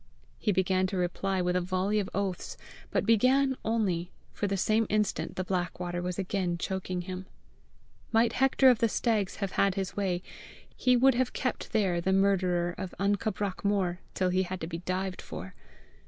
He began to reply with a volley of oaths, but began only, for the same instant the black water was again choking him. Might Hector of the Stags have had his way, he would have kept there the murderer of AN CABRACH MOR till he had to be dived for.